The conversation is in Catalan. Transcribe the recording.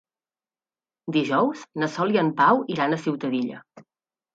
Dijous na Sol i en Pau iran a Ciutadilla.